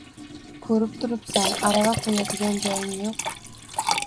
Ko‘rib turibsan, arava qo‘yadigan joyim yo‘q